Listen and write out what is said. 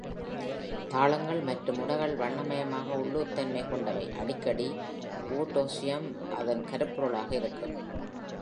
தாளங்கள் மற்றும் உடைகள் வண்ணமயமாக உள்ளூர்த் தன்மை கொண்டவை, அடிக்கடி voodooism அதன் கருப்பொருளாக இருக்கும்.